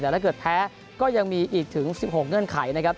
แต่ถ้าเกิดแพ้ก็ยังมีอีกถึง๑๖เงื่อนไขนะครับ